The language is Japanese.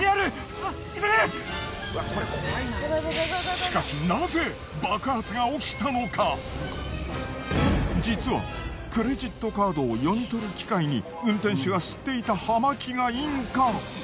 しかし実はクレジットカードを読み取る機械に運転手が吸っていた葉巻が引火。